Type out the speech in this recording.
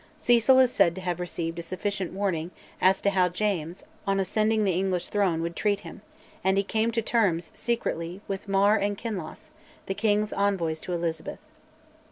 Cecil is said to have received a sufficient warning as to how James, on ascending the English throne, would treat him; and he came to terms, secretly, with Mar and Kinloss, the king's envoys to Elizabeth.